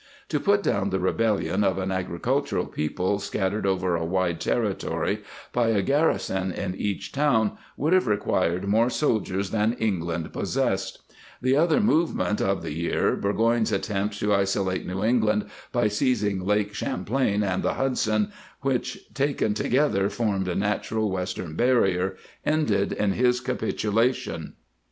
To put down the rebellion of an agricultural people, scattered over a wide territory, by a garrison in each town would have required more soldiers than 'Graydon's Memoirs, p. 291. [ 56 ] Maintaining the Forces England possessed. The other movement of the year, Burgoyne's attempt to isolate New England by seizing Lake Champlain and the Hudson, which taken together formed a natural western barrier, ended in his capitulation.